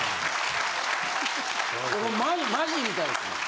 マジみたいですね。